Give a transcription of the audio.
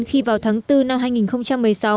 khi vào tháng bốn năm hai nghìn một mươi sáu